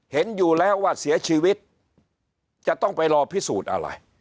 เห็นอยู่แล้วว่าเสียชีวิตจะต้องไปรอพิสูจน์อะไร